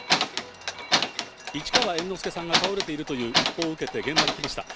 市川猿之助さんが倒れているという一報を受けて現場に来ました。